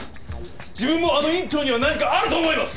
自分もあの院長には何かあると思います！